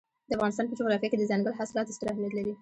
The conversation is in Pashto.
د افغانستان په جغرافیه کې دځنګل حاصلات ستر اهمیت لري.